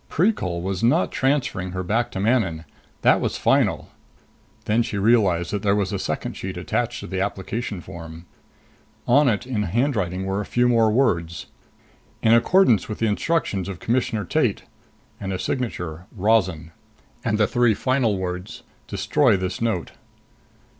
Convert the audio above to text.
Precol was not transferring her back to Manon. That was final. Then she realized that there was a second sheet attached to the application form. On it in handwriting were a few more words: "In accordance with the instructions of Commissioner Tate." And a signature, "Rozan." And three final words: "Destroy this note."